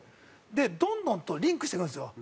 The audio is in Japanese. でどんどんとリンクしてくるんですよ。